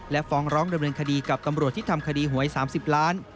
และฟ้องร้องดำเนินคดีกับตำรวจที่ทำคดีหวย๓๐ล้าน